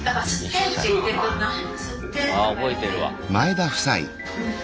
あ覚えてるわ。